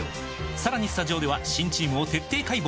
さらにスタジオでは新チームを徹底解剖！